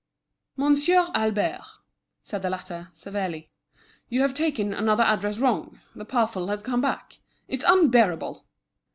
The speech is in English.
"Monsieur Albert," said the latter, severely, "you have taken another address wrong; the parcel has come back. It's unbearable!"